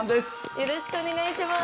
よろしくお願いします。